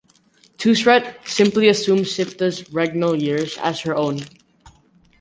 Twosret simply assumed Siptah's regnal years as her own.